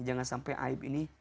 jangan sampai aib ini